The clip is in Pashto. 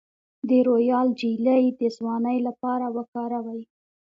د رویال جیلی د ځوانۍ لپاره وکاروئ